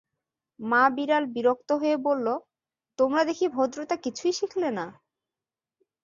মা-বিড়াল বিরক্ত হয়ে বলল, তোমরা দেখি ভদ্রতা কিছুই শিখলে না!